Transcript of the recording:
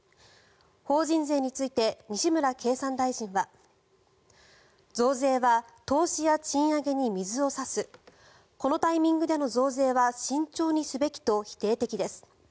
法人税について西村経産大臣は増税は投資や賃上げに水を差すこのタイミングでの増税は慎重にすべきと否定的です。